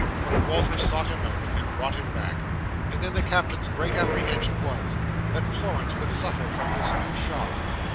But Walter sought him out, and brought him back; and then the Captain's great apprehension was, that Florence would suffer from this new shock.